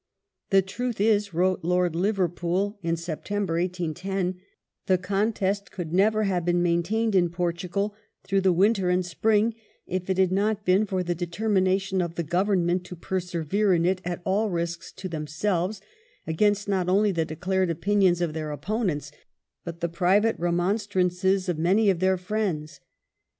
"The truth is," wrote Lord Liverpool in September 1810, "the contest could never have been maintained in Portugal through the winter and spring if it had not been for the determination of the Govern ment to persevere in it at all risks to themselves, against not only the declared opinions of their opponents but the private remonstrances of many of their friends."